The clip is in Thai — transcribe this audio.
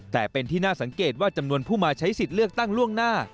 แต่เป็นที่น่าสังเกตว่าจำนวนผู้มาใช้สิทธิ์เลือกตั้งล่วงหน้า